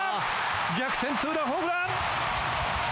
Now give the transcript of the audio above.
逆転２ランホームラン！